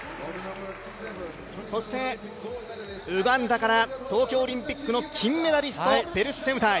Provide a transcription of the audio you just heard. そしてウガンダから東京オリンピックの金メダリストペルス・チェムタイ。